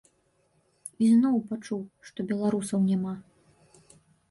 І зноў пачуў, што беларусаў няма.